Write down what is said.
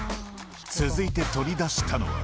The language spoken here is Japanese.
続いて取り出したのは。